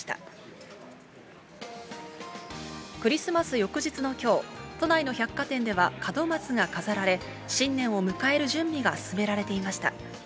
翌日のきょう、都内の百貨店では門松が飾られ、新年を迎える準備が進められていました。